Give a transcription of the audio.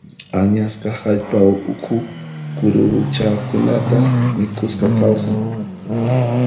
Añasqa hallp'a ukhu kuruchakunata mikhuspa kawsan.